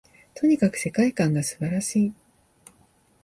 とにかく世界観が素晴らしい